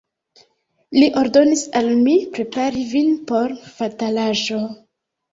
Li ordonis al mi prepari vin por fatalaĵo.